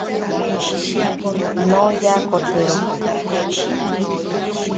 Noyakotero.